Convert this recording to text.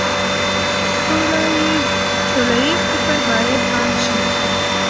سوله ييز فکر بايد عام شي.